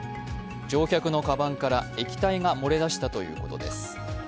乗客のかばんから液体が漏れ出したということです。